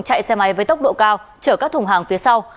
chạy xe máy với tốc độ cao chở các thùng hàng phía sau